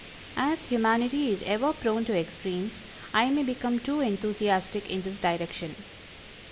As humanity is ever prone to extremes I may become too enthusiastic in this direction.